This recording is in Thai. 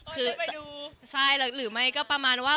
คือจะดูใช่หรือไม่ก็ประมาณว่า